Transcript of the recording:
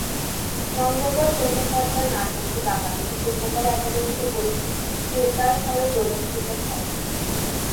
মঙ্গলবার সন্ধ্যা সাতটায় নাটকটি বাংলাদেশ শিল্পকলা একাডেমী পরীক্ষণ থিয়েটার হলে প্রদর্শিত হবে।